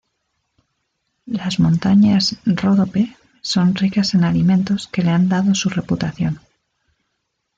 Las montañas Ródope son ricas en alimentos que le han dado su reputación.